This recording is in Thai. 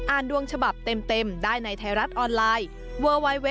ดวงฉบับเต็มได้ในไทยรัฐออนไลน์